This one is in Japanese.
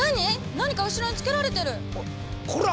何か後ろに付けられてる！こら！